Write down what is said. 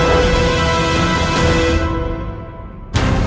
aku akan menang